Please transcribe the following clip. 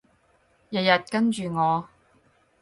日日跟住我